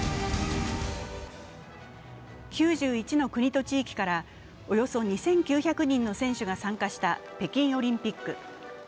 ９１の国と地域からおよそ２９００人の選手が参加した北京オリンピック。